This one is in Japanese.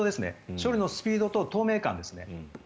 処理のスピードと透明感ですね。